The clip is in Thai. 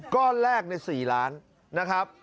ก้อนแรกใน๔ล้านนะครับ